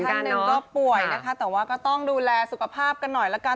ท่านหนึ่งก็ป่วยนะคะแต่ว่าก็ต้องดูแลสุขภาพกันหน่อยละกัน